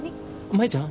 舞ちゃん。